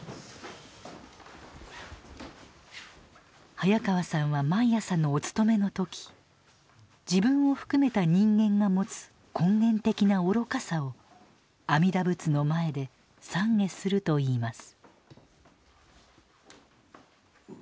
早川さんは毎朝のお勤めの時自分を含めた人間が持つ根源的な愚かさを阿弥陀仏の前で懺悔するといいます。